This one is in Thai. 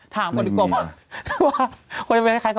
ถามคนที่กลม